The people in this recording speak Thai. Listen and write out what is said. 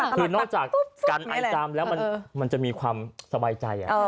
คือนอกจากกันไอจามแล้วมันจะมีความสบายใจ